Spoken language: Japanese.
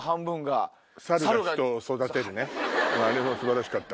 あれ素晴らしかった。